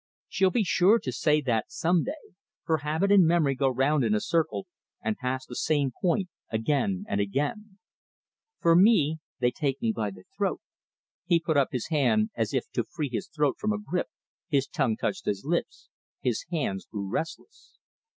She'll be sure to say that some day, for habit and memory go round in a circle and pass the same point again and again. For me they take me by the throat " He put his hand up as if to free his throat from a grip, his tongue touched his lips, his hands grew restless.